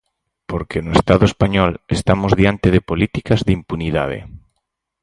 Porque no Estado español estamos diante de políticas de impunidade.